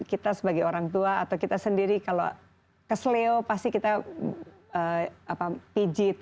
kita sebagai orang tua atau kita sendiri kalau keseleo pasti kita pijit